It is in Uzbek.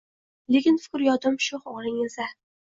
Lekin fikru yodim „sho‘x“ o‘g‘lingizda